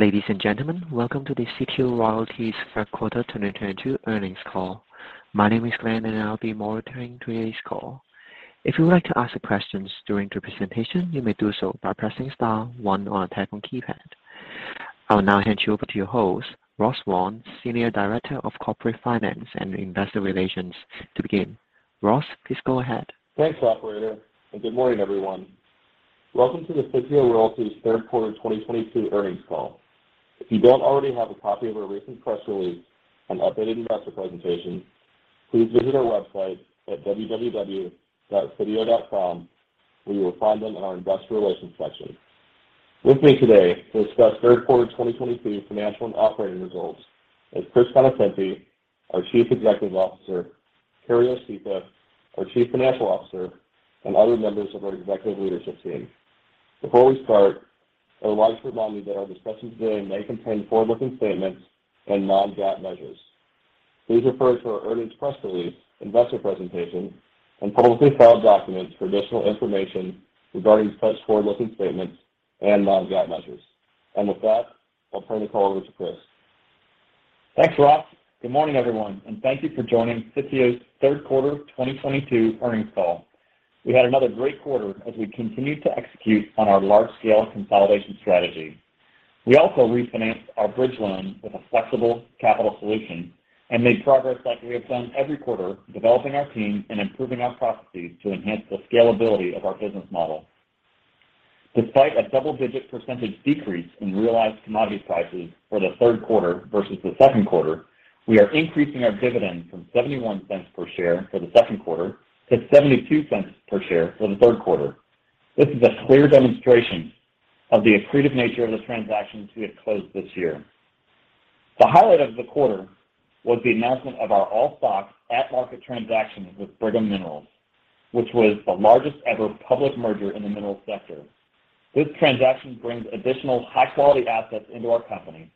Ladies and gentlemen, welcome to the Sitio Royalties Third Quarter 2022 Earnings Call. My name is Glenn, and I'll be monitoring today's call. If you would like to ask questions during the presentation, you may do so by pressing star one on your telephone keypad. I will now hand you over to your host, Ross Wong, Senior Director of Corporate Finance and Investor Relations to begin. Ross, please go ahead. Thanks, operator, and good morning, everyone. Welcome to the Sitio Royalties' third quarter 2022 earnings call. If you don't already have a copy of our recent press release and updated investor presentation, please visit our website at www.sitio.com, where you will find them in our investor relations section. With me today to discuss third quarter 2022 financial and operating results is Chris Conoscenti, our Chief Executive Officer, Carrie Osicka, our Chief Financial Officer, and other members of our executive leadership team. Before we start, I would like to remind you that our discussion today may contain forward-looking statements and non-GAAP measures. Please refer to our earnings press release, investor presentation, and publicly filed documents for additional information regarding such forward-looking statements and non-GAAP measures. With that, I'll turn the call over to Chris. Thanks, Ross. Good morning, everyone, and thank you for joining Sitio's Third Quarter 2022 Earnings Call. We had another great quarter as we continued to execute on our large-scale consolidation strategy. We also refinanced our bridge loan with a flexible capital solution and made progress like we have done every quarter, developing our team and improving our processes to enhance the scalability of our business model. Despite a double-digit % decrease in realized commodity prices for the third quarter versus the second quarter, we are increasing our dividend from $0.71 per share for the second quarter to $0.72 per share for the third quarter. This is a clear demonstration of the accretive nature of the transactions we had closed this year. The highlight of the quarter was the announcement of our all-stock at-market transaction with Brigham Minerals, which was the largest-ever public merger in the minerals sector. This transaction brings additional high-quality assets into our company,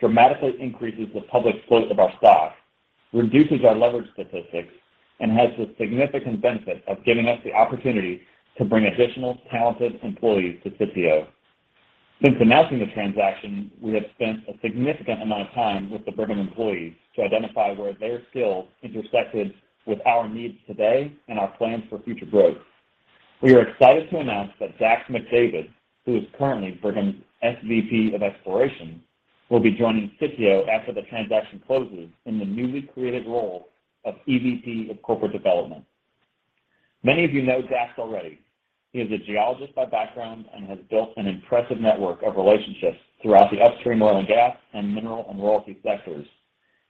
dramatically increases the public float of our stock, reduces our leverage statistics, and has the significant benefit of giving us the opportunity to bring additional talented employees to Sitio. Since announcing the transaction, we have spent a significant amount of time with the Brigham employees to identify where their skills intersected with our needs today and our plans for future growth. We are excited to announce that Dax McDavid, who is currently Brigham's SVP of Exploration, will be joining Sitio after the transaction closes in the newly created role of EVP of Corporate Development. Many of you know Dax already. He is a geologist by background and has built an impressive network of relationships throughout the upstream oil and gas and mineral and royalty sectors.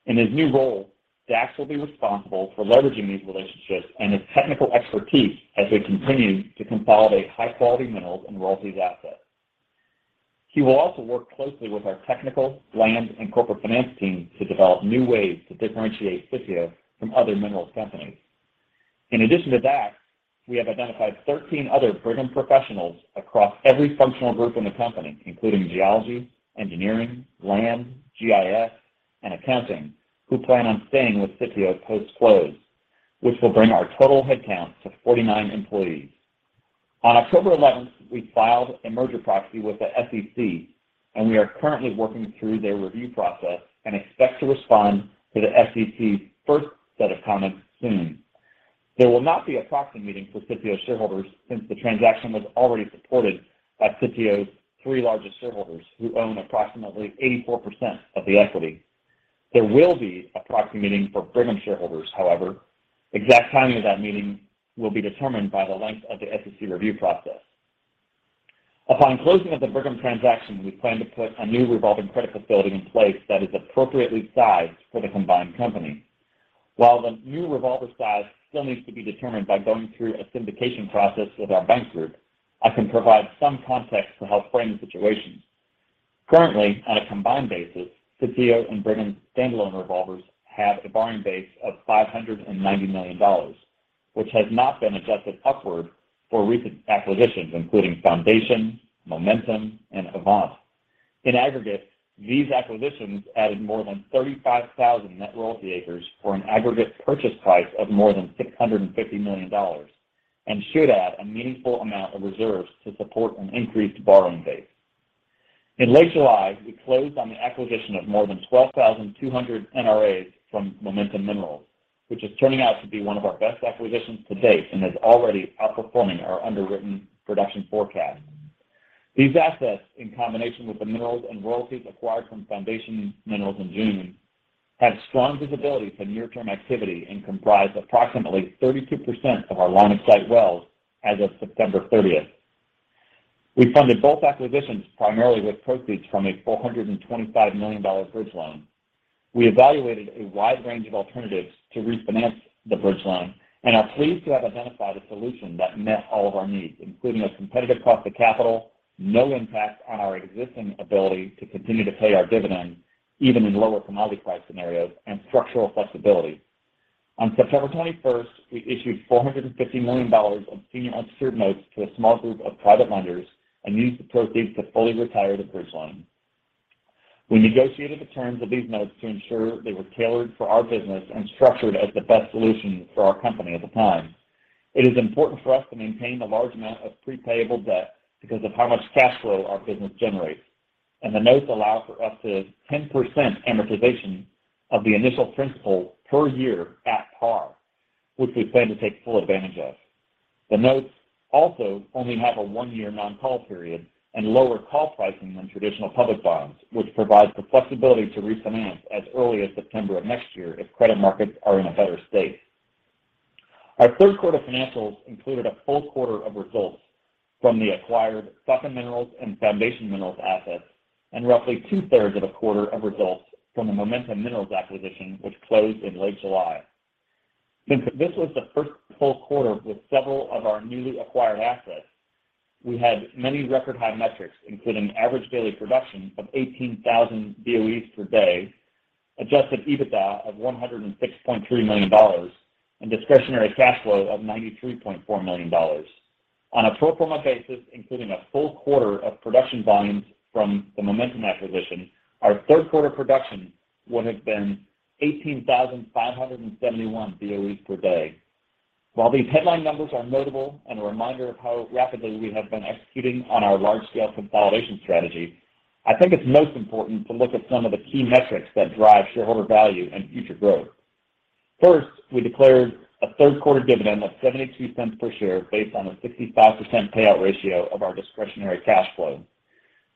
In his new role, Dax will be responsible for leveraging these relationships and his technical expertise as we continue to consolidate high-quality minerals and royalties assets. He will also work closely with our technical, land, and corporate finance team to develop new ways to differentiate Sitio from other minerals companies. In addition to Dax, we have identified 13 other Brigham professionals across every functional group in the company, including geology, engineering, land, GIS, and accounting, who plan on staying with Sitio post-close, which will bring our total headcount to 49 employees. On October eleventh, we filed a merger proxy with the SEC, and we are currently working through their review process and expect to respond to the SEC's first set of comments soon. There will not be a proxy meeting for Sitio shareholders since the transaction was already supported by Sitio's three largest shareholders, who own approximately 84% of the equity. There will be a proxy meeting for Brigham shareholders, however. Exact timing of that meeting will be determined by the length of the SEC review process. Upon closing of the Brigham transaction, we plan to put a new revolving credit facility in place that is appropriately sized for the combined company. While the new revolver size still needs to be determined by going through a syndication process with our bank group, I can provide some context to help frame the situation. Currently, on a combined basis, Sitio and Brigham standalone revolvers have a borrowing base of $590 million, which has not been adjusted upward for recent acquisitions, including Foundation, Momentum, and Havoc. In aggregate, these acquisitions added more than 35,000 net royalty acres for an aggregate purchase price of more than $650 million and should add a meaningful amount of reserves to support an increased borrowing base. In late July, we closed on the acquisition of more than 12,200 NRAs from Momentum Minerals, which is turning out to be one of our best acquisitions to date and is already outperforming our underwritten production forecast. These assets, in combination with the minerals and royalties acquired from Foundation Minerals in June, have strong visibility for near-term activity and comprise approximately 32% of our line of sight wells as of September 30th. We funded both acquisitions primarily with proceeds from a $425 million bridge loan. We evaluated a wide range of alternatives to refinance the bridge loan and are pleased to have identified a solution that met all of our needs, including a competitive cost of capital, no impact on our existing ability to continue to pay our dividend, even in lower commodity price scenarios, and structural flexibility. On September twenty-first, we issued $450 million of senior unsecured notes to a small group of private lenders and used the proceeds to fully retire the bridge loan. We negotiated the terms of these notes to ensure they were tailored for our business and structured as the best solution for our company at the time. It is important for us to maintain a large amount of prepayable debt because of how much cash flow our business generates, and the notes allow for us to 10% amortization of the initial principal per year at par, which we plan to take full advantage of. The notes also only have a one-year non-call period and lower call pricing than traditional public bonds, which provides the flexibility to refinance as early as September of next year if credit markets are in a better state. Our third quarter financials included a full quarter of results from the acquired Sutton Minerals and Foundation Minerals assets and roughly two-thirds of a quarter of results from the Momentum Minerals acquisition, which closed in late July. Since this was the first full quarter with several of our newly acquired assets, we had many record high metrics, including average daily production of 18,000 BOEs per day, adjusted EBITDA of $106.3 million, and discretionary cash flow of $93.4 million. On a pro forma basis, including a full quarter of production volumes from the Momentum acquisition, our third quarter production would have been 18,571 BOEs per day. While these headline numbers are notable and a reminder of how rapidly we have been executing on our large-scale consolidation strategy, I think it's most important to look at some of the key metrics that drive shareholder value and future growth. First, we declared a third quarter dividend of $0.72 per share based on a 65% payout ratio of our discretionary cash flow.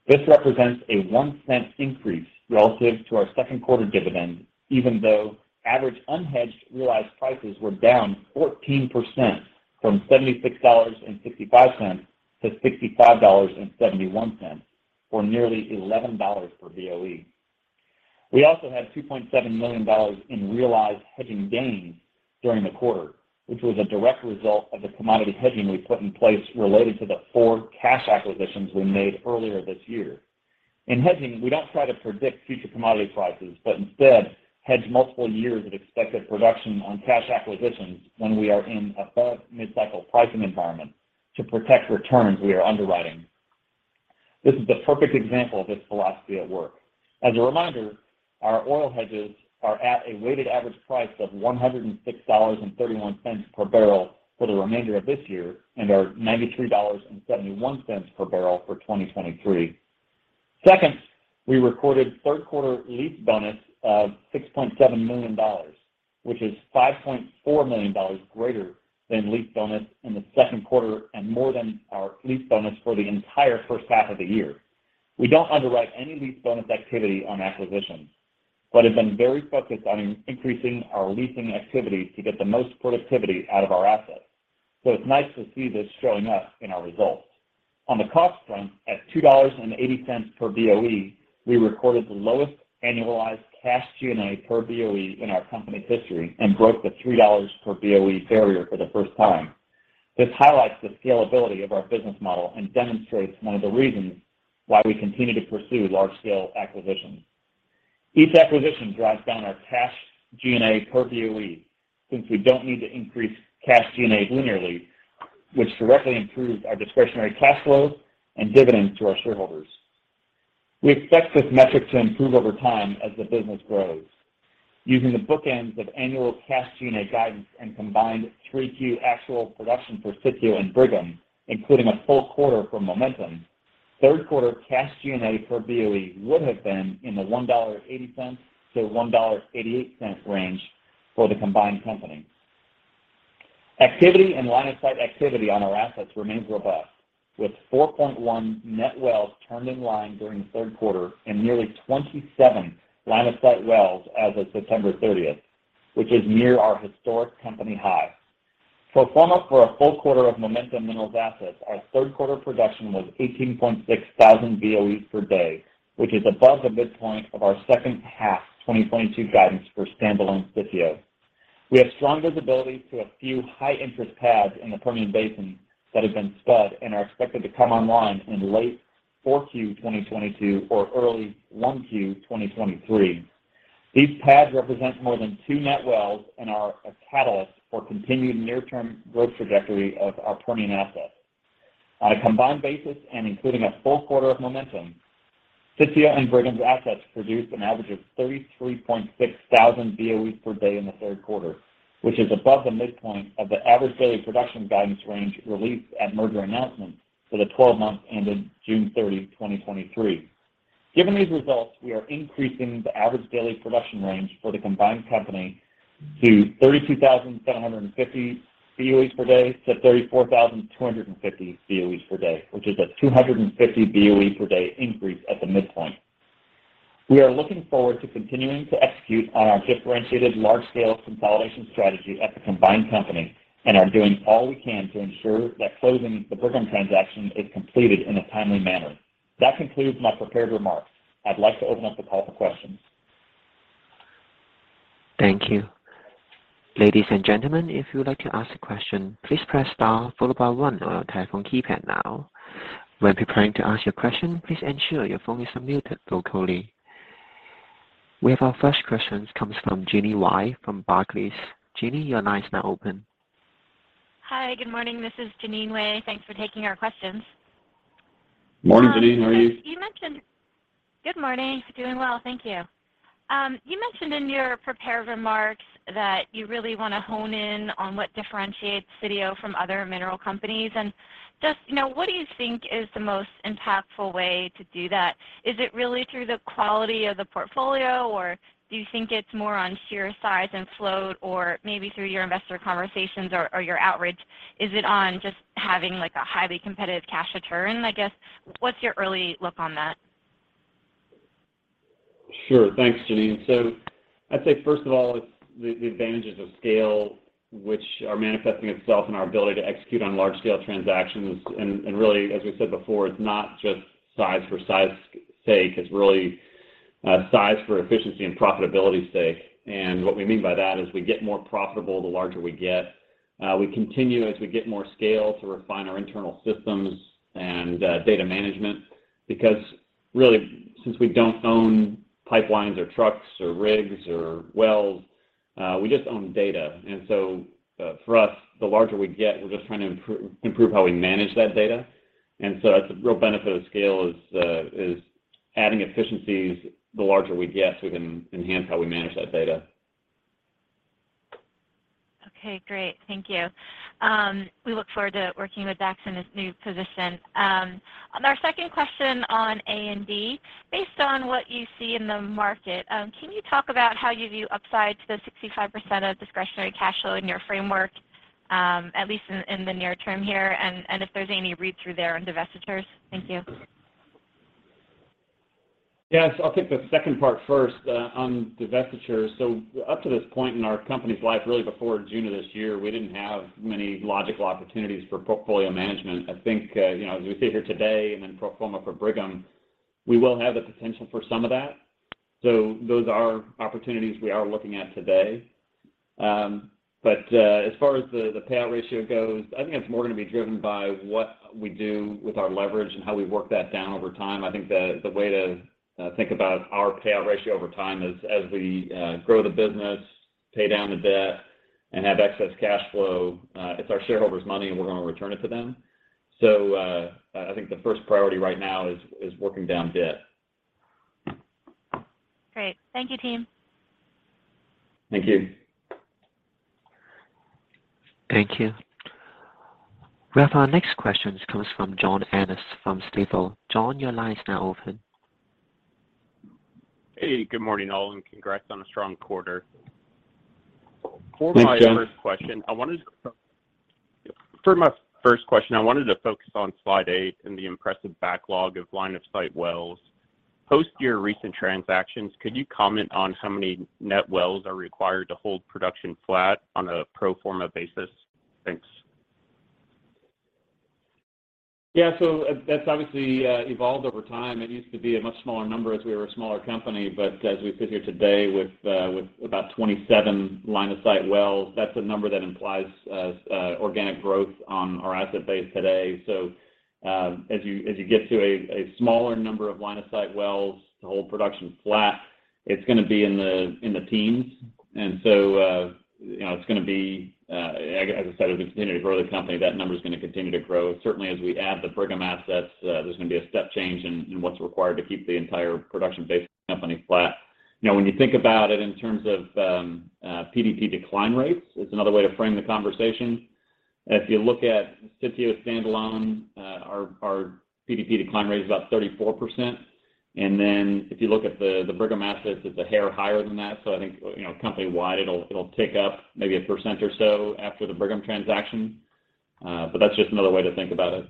This represents a $0.01 increase relative to our second quarter dividend, even though average unhedged realized prices were down 14% from $76.65 to $65.71, or nearly $11 per BOE. We also had $2.7 million in realized hedging gains during the quarter, which was a direct result of the commodity hedging we put in place related to the 4 cash acquisitions we made earlier this year. In hedging, we don't try to predict future commodity prices, but instead hedge multiple years of expected production on cash acquisitions when we are in above mid-cycle pricing environment to protect returns we are underwriting. This is the perfect example of this philosophy at work. As a reminder, our oil hedges are at a weighted average price of $106.31 per barrel for the remainder of this year and are $93.71 per barrel for 2023. Second, we recorded third quarter lease bonus of $6.7 million, which is $5.4 million greater than lease bonus in the second quarter and more than our lease bonus for the entire first half of the year. We don't underwrite any lease bonus activity on acquisitions, but have been very focused on increasing our leasing activity to get the most productivity out of our assets, so it's nice to see this showing up in our results. On the cost front, at $2.80 per BOE, we recorded the lowest annualized cash G&A per BOE in our company's history and broke the $3 per BOE barrier for the first time. This highlights the scalability of our business model and demonstrates one of the reasons why we continue to pursue large-scale acquisitions. Each acquisition drives down our cash G&A per BOE since we don't need to increase cash G&A linearly, which directly improves our discretionary cash flow and dividends to our shareholders. We expect this metric to improve over time as the business grows. Using the bookends of annual cash G&A guidance and combined 3Q actual production for Sitio and Brigham, including a full quarter for Momentum, third quarter cash G&A per BOE would have been in the $1.80-$1.88 range for the combined company. Activity and line of sight activity on our assets remains robust, with 4.1 net wells turned in line during the third quarter and nearly 27 line of sight wells as of September 30th, which is near our historic company high. Pro forma for a full quarter of Momentum Minerals assets, our third quarter production was 18.6 thousand BOEs per day, which is above the midpoint of our second half 2022 guidance for standalone Sitio. We have strong visibility to a few high-interest pads in the Permian Basin that have been spud and are expected to come online in late 4Q 2022 or early 1Q 2023. These pads represent more than 2 net wells and are a catalyst for continued near-term growth trajectory of our Permian assets. On a combined basis and including a full quarter of Momentum, Sitio and Brigham's assets produced an average of 33,600 BOEs per day in the third quarter, which is above the midpoint of the average daily production guidance range released at merger announcement for the 12 months ending June 30, 2023. Given these results, we are increasing the average daily production range for the combined company to 32,750-34,250 BOEs per day, which is a 250 BOE per day increase at the midpoint. We are looking forward to continuing to execute on our differentiated large-scale consolidation strategy at the combined company and are doing all we can to ensure that closing the Brigham transaction is completed in a timely manner. That concludes my prepared remarks. I'd like to open up the call for questions. Thank you. Ladies and gentlemen, if you would like to ask a question, please press star followed by one on your telephone keypad now. When preparing to ask your question, please ensure your phone is unmuted vocally. We have our first question comes from Jeanine Wai from Barclays. Jeanine, your line is now open. Hi, good morning. This is Jeanine Wai. Thanks for taking our questions. Morning, Jeanine. How are you? Good morning. Doing well. Thank you. You mentioned in your prepared remarks that you really want to hone in on what differentiates Sitio from other mineral companies. Just, you know, what do you think is the most impactful way to do that? Is it really through the quality of the portfolio, or do you think it's more on sheer size and float or maybe through your investor conversations or your outreach? Is it on just having, like, a highly competitive cash return, I guess? What's your early look on that? Sure. Thanks, Jeanine. I'd say, first of all, it's the advantages of scale which are manifesting itself in our ability to execute on large-scale transactions. Really, as we said before, it's not just size for size sake. It's really, size for efficiency and profitability sake. What we mean by that is we get more profitable the larger we get. We continue as we get more scale to refine our internal systems and data management because really, since we don't own pipelines or trucks or rigs or wells, we just own data. For us, the larger we get, we're just trying to improve how we manage that data. That's a real benefit of scale, adding efficiencies the larger we get, so we can enhance how we manage that data. Okay, great. Thank you. We look forward to working with Dax in his new position. On our second question on A&D, based on what you see in the market, can you talk about how you view upside to the 65% of discretionary cash flow in your framework, at least in the near term here, and if there's any read-through there on divestitures? Thank you. Yes. I'll take the second part first, on divestitures. Up to this point in our company's life, really before June of this year, we didn't have many logical opportunities for portfolio management. I think, you know, as we sit here today and then pro forma for Brigham, we will have the potential for some of that. Those are opportunities we are looking at today. But as far as the payout ratio goes, I think it's more gonna be driven by what we do with our leverage and how we work that down over time. I think the way to think about our payout ratio over time is as we grow the business, pay down the debt, and have excess cash flow, it's our shareholders' money, and we're gonna return it to them. I think the first priority right now is working down debt. Great. Thank you, team. Thank you. Thank you. We have our next question. This comes from John Annis from Stifel. John, your line is now open. Hey, good morning, all, and congrats on a strong quarter. Thanks, John. For my first question, I wanted to focus on slide 8 and the impressive backlog of line of sight wells. Post your recent transactions, could you comment on how many net wells are required to hold production flat on a pro forma basis? Thanks. Yeah. That's obviously evolved over time. It used to be a much smaller number as we were a smaller company, but as we sit here today with about 27 line of sight wells, that's a number that implies organic growth on our asset base today. As you get to a smaller number of line of sight wells to hold production flat, it's gonna be in the teens. You know, it's gonna be, as I said, as we continue to grow the company, that number's gonna continue to grow. Certainly, as we add the Brigham assets, there's gonna be a step change in what's required to keep the entire production base of the company flat. You know, when you think about it in terms of PDP decline rates is another way to frame the conversation. If you look at Sitio standalone, our PDP decline rate is about 34%. If you look at the Brigham assets, it's a hair higher than that. I think, you know, company-wide it'll tick up maybe 1% or so after the Brigham transaction. That's just another way to think about it.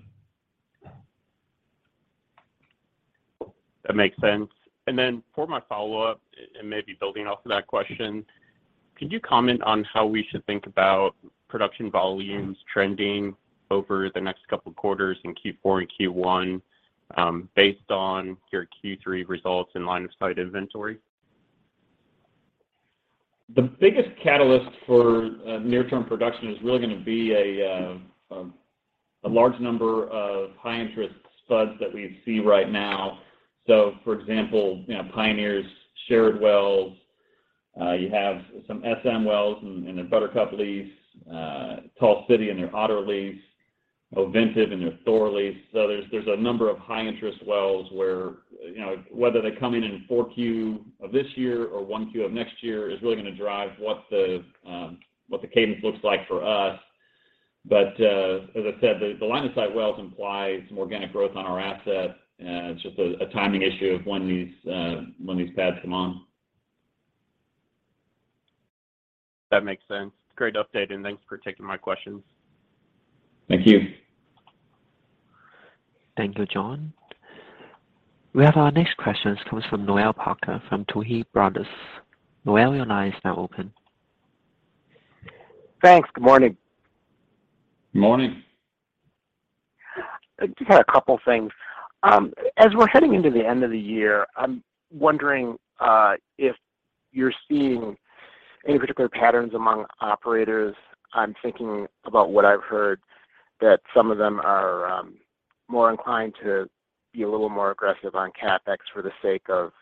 That makes sense. For my follow-up, and maybe building off of that question, could you comment on how we should think about production volumes trending over the next couple quarters in Q4 and Q1, based on your Q3 results in line of sight inventory? The biggest catalyst for near-term production is really gonna be a large number of high-interest spuds that we see right now. For example, you know, Pioneer's shared wells. You have some SM wells in their Buttercup lease, Tall City in their Otter lease, Ovintiv in their Thor lease. There's a number of high-interest wells where, you know, whether they come in in Q4 of this year or Q1 of next year is really gonna drive what the cadence looks like for us. As I said, the line of sight wells implies some organic growth on our assets. It's just a timing issue of when these pads come on. That makes sense. Great update, and thanks for taking my questions. Thank you. Thank you, John. We have our next question. This comes from Noel Parks from Tuohy Brothers. Noel, your line is now open. Thanks. Good morning. Morning. Just had a couple things. As we're heading into the end of the year, I'm wondering if you're seeing any particular patterns among operators. I'm thinking about what I've heard that some of them are more inclined to be a little more aggressive on CapEx for the sake of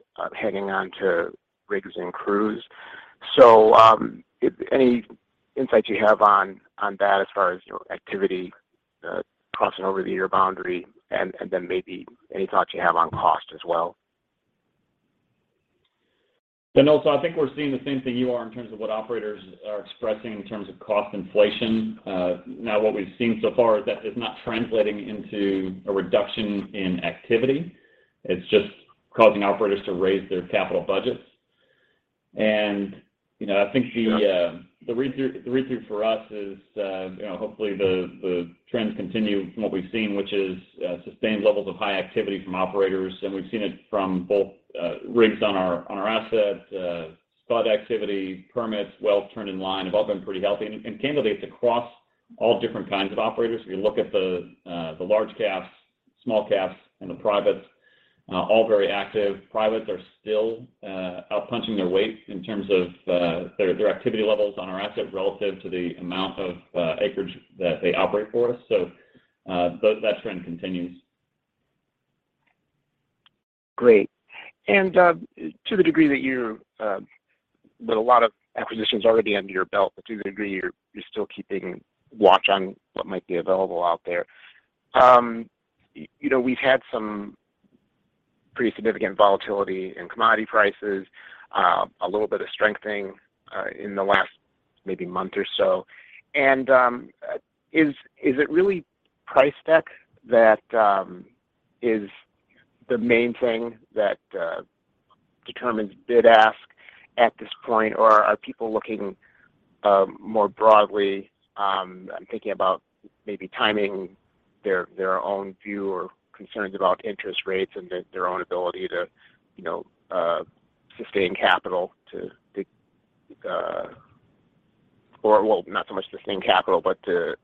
hanging on to rigs and crews. If any insights you have on that as far as, you know, activity crossing over the year boundary and then maybe any thoughts you have on cost as well. Also I think we're seeing the same thing you are in terms of what operators are expressing in terms of cost inflation. Now what we've seen so far is that it's not translating into a reduction in activity. It's just causing operators to raise their capital budgets. You know, I think the read through for us is, you know, hopefully the trends continue from what we've seen, which is sustained levels of high activity from operators. We've seen it from both rigs on our assets, spud activity, permits, wells turned in line have all been pretty healthy. Candidly, it's across all different kinds of operators. If you look at the large caps, small caps, and the privates, all very active. Privates are still out punching their weight in terms of their activity levels on our asset relative to the amount of acreage that they operate for us. That trend continues. Great. To the degree that you're with a lot of acquisitions already under your belt, you're still keeping watch on what might be available out there. You know, we've had some pretty significant volatility in commodity prices, a little bit of strengthening in the last maybe month or so. Is it really price deck that is the main thing that determines bid ask at this point? Or are people looking more broadly and thinking about maybe timing their own view or concerns about interest rates and their own ability to, you know, sustain capital. Well, not so much sustain capital, but to,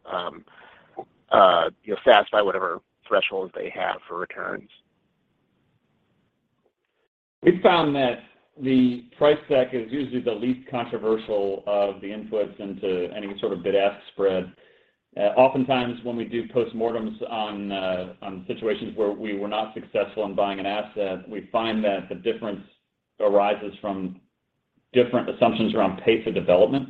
you know, satisfy whatever thresholds they have for returns. We found that the price deck is usually the least controversial of the inputs into any sort of bid ask spread. Oftentimes when we do postmortems on situations where we were not successful in buying an asset, we find that the difference arises from different assumptions around pace of development.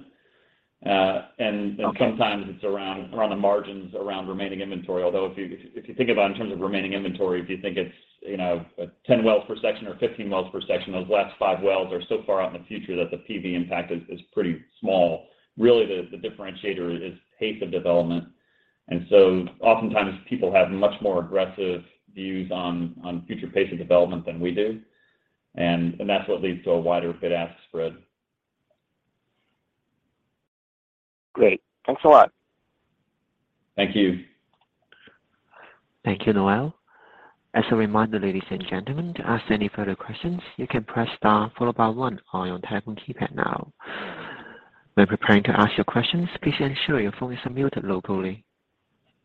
Okay. Sometimes it's around the margins around remaining inventory. Although if you think about in terms of remaining inventory, if you think it's, you know, 10 wells per section or 15 wells per section, those last 5 wells are so far out in the future that the PV impact is pretty small. Really, the differentiator is pace of development. Oftentimes people have much more aggressive views on future pace of development than we do. That's what leads to a wider bid-ask spread. Great. Thanks a lot. Thank you. Thank you, Noel. As a reminder, ladies and gentlemen, to ask any further questions, you can press star followed by one on your telephone keypad now. When preparing to ask your questions, please ensure your phones are muted locally.